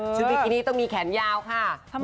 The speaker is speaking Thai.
บิกินี่ต้องมีแขนยาวค่ะ